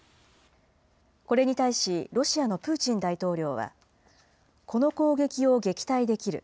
これに対しロシアのプーチン大統領は、この攻撃を撃退できる。